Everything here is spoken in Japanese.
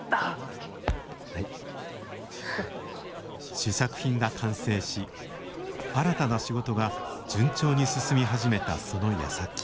試作品が完成し新たな仕事が順調に進み始めたそのやさき。